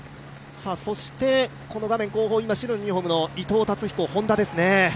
そして画面後方、白のユニフォームの伊藤達彦、Ｈｏｎｄａです。